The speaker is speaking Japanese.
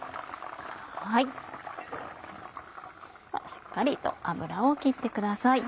しっかりと油を切ってください。